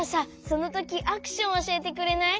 そのときアクションおしえてくれない？